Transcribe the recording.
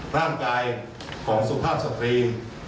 ร่างกายของสุภาพสตรี